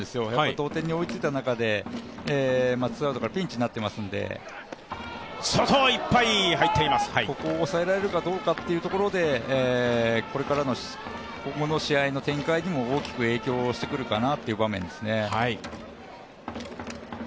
同点に追いついた中でツーアウトからピンチになってますんでここをおさえられるかどうかってところで今後の試合の展開にも大きく影響してくるかなという場面ですね。